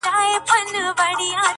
ريشا زموږ د عاشقۍ خبره ورانه سوله,